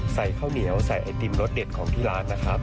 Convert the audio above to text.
ใส่ข้าวเหนียวใส่ไอติมรสเด็ดของที่ร้านนะครับ